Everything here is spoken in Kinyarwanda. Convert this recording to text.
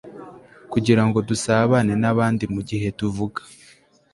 kugirango dusabane nabandi mugihe tuvuga